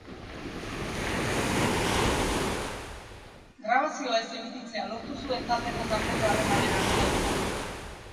Grabazioa ez emititzea lortu zuen taldeko kanpoko harremanen arduradunak.